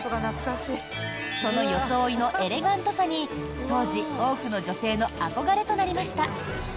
その装いのエレガントさに当時、多くの女性の憧れとなりました。